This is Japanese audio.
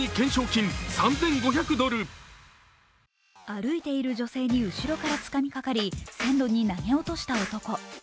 歩いている女性に後ろからつかみかかり、線路に投げ落とした男。